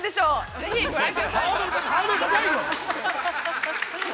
ぜひご覧ください。